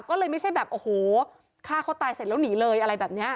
ก็เลยไม่ใช่แบบโอ้โหฆ่าเขาตายเสร็จแล้วหนีเลยอะไรแบบนี้